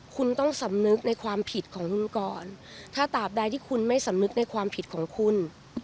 คุณต้องสำนึกในความผิดของคุณก่อนถ้าตามใดที่คุณไม่สำนึกในความผิดของคุณ